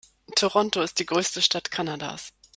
Toronto ist die größte Stadt Kanadas.